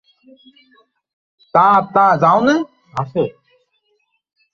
যে যাহা বলে বলুক, তুমি আমাদের পর নও।